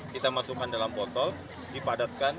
kita masukkan dalam botol dipadatkan